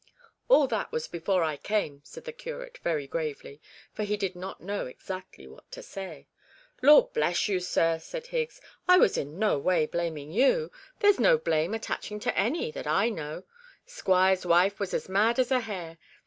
'All that was before I came,' said the curate very gravely, for he did not know exactly what to say. 'Lor' bless you, sir,' said Higgs, 'I was in no way blaming you. There's no blame attaching to any, that I know; squire's wife was as mad as a hare.